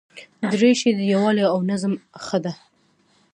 دریشي د یووالي او نظم نښه ده.